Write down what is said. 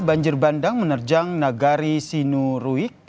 banjir bandang menerjang nagari sinuruik